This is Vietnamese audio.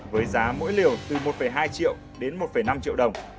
với giá mỗi liều từ một hai triệu đến một năm triệu đồng